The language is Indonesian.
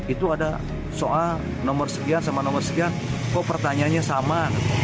itu ada soal nomor sekian sama nomor sekian kok pertanyaannya sama